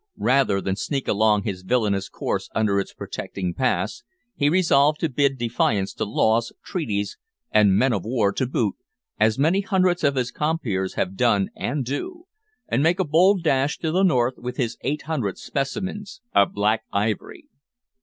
Rather than sneak along his villainous course under its protecting "pass," he resolved to bid defiance to laws, treaties, and men of war to boot as many hundreds of his compeers have done and do and make a bold dash to the north with his eight hundred specimens of Black Ivory.